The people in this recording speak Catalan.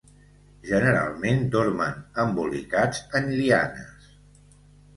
Generalment dormen embolicats en lianes.